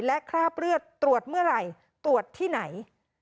และคราบเลือดตรวจเมื่อไหร่ตรวจที่ไหน